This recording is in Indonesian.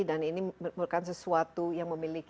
dan ini merupakan sesuatu yang membutuhkan